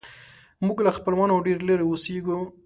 موږ له خپلوانو ډېر لیرې اوسیږو